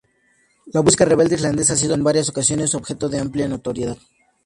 La música rebelde irlandesa ha sido en varias ocasiones objeto de amplia notoriedad.